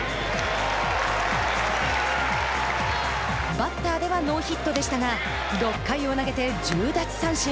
バッターではノーヒットでしたが６回を投げて１０奪三振。